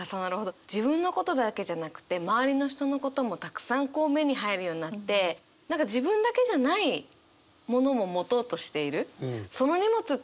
自分のことだけじゃなくて周りの人のこともたくさんこう目に入るようになって何か自分だけじゃないものも持とうとしている。